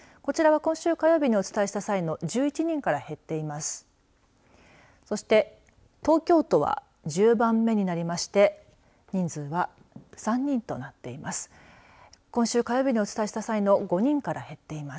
こちらは今週火曜日にお伝えした際の１１人から減っています。